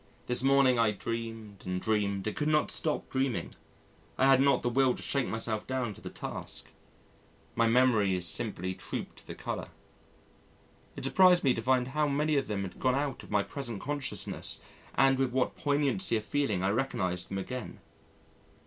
This morning I dreamed and dreamed and could not stop dreaming I had not the will to shake myself down to my task.... My memories simply trooped the colour. It surprised me to find how many of them had gone out of my present consciousness and with what poignancy of feeling I recognised them again!